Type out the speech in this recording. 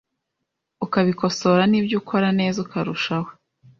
ukabikosora n’ibyo ukora neza ukarushaho.